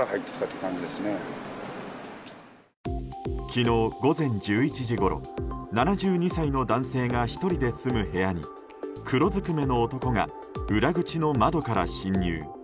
昨日午前１１時ごろ７２歳の男性が１人で住む部屋に黒ずくめの男が裏口の窓から侵入。